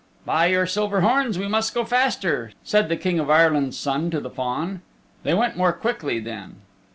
"By your silver horns, we must go faster," said the King of Ireland's Son to the Fawn. They went more quickly then.